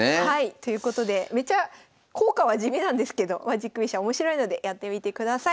ということでめちゃ効果は地味なんですけどマジック飛車面白いのでやってみてください。